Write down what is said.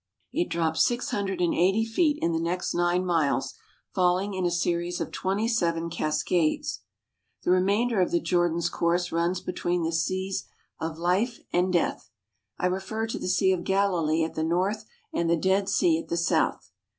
It drops six hundred and eighty feet in the next nine miles, falling in a series of twenty seven cascades. The remainder of the Jordan's course runs between the seas of life and death. I refer to the Sea of Galilee at the north and the Dead Sea at the south.